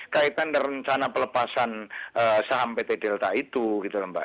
kaitan rencana pelepasan saham pt delta itu gitu lho mbak